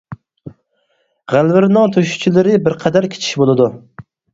غەلۋىرنىڭ تۆشۈكچىلىرى بىر قەدەر كىچىك بولىدۇ.